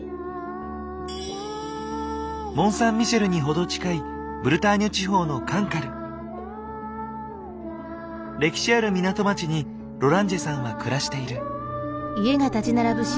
モン・サン・ミシェルにほど近いブルターニュ地方の歴史ある港町にロランジェさんは暮らしている。